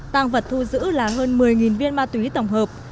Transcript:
tăng vật thu giữ là hơn một mươi viên ma túy tổng hợp